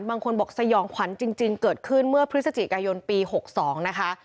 บางคนบอกสยองขวัญจริงเกิดขึ้นเมื่อพฤศจิกายนปี๖๒นะคะ